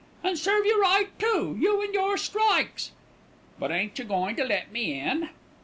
"And serve you right, too, you and your strikes." "But ain't you goin' to let me in?"